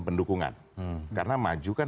pendukungan karena maju kan